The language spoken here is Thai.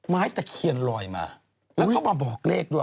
ตะเคียนลอยมาแล้วก็มาบอกเลขด้วย